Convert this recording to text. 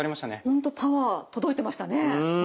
本当パワー届いてましたね。